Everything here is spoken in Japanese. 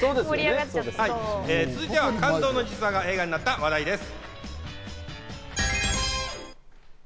続いては感動の実話が映画になった話題です。